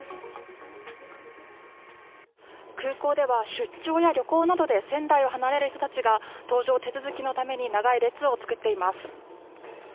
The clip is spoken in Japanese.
空港では出張や旅行などで仙台を離れる人たちが搭乗手続きのために長い列を作っています。